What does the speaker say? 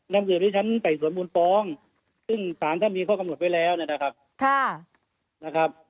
นำเงินที่ชั้นไต่สวนมูลฟ้องซึ่งสารท่านมีข้อกำหนดไว้แล้วนะครับ